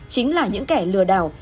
chính là những kẻ lừa đào